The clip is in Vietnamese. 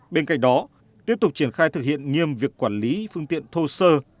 bên cạnh đó tiếp tục triển khai thực hiện nghiêm việc quản lý phương tiện thô sơ